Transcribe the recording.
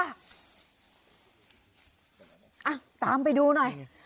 อ่ะตามไปดูหน่อย